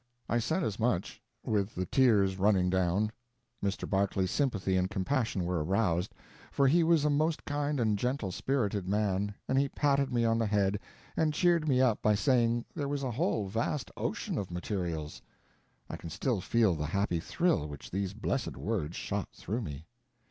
I said as much, with the tears running down. Mr. Barclay's sympathy and compassion were aroused, for he was a most kind and gentle spirited man, and he patted me on the head and cheered me up by saying there was a whole vast ocean of materials! I can still feel the happy thrill which these blessed words shot through me.